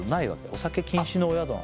お酒禁止のお宿なの？